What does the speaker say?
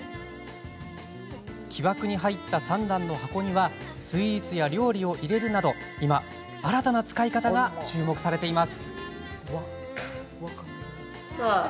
木枠に入った３段の箱にはスイーツや料理を入れるなど今、新たな使い方が注目されています。